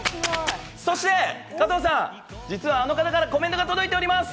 そして加藤さん、実はあの方からコメントが届いております。